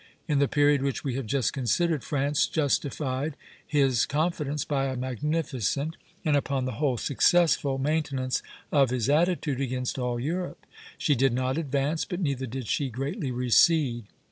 In the period which we have just considered, France justified his confidence by a magnificent, and upon the whole successful, maintenance of his attitude against all Europe; she did not advance, but neither did she greatly recede.